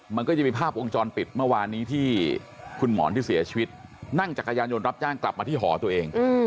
มันก็จะมีภาพวงจรปิดเมื่อวานนี้ที่คุณหมอนที่เสียชีวิตนั่งจักรยานยนต์รับจ้างกลับมาที่หอตัวเอง